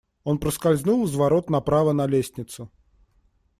Он проскользнул из ворот направо на лестницу.